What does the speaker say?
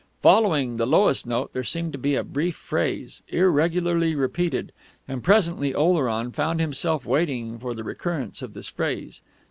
Following the lowest note there seemed to be a brief phrase, irregularly repeated; and presently Oleron found himself waiting for the recurrence of this phrase.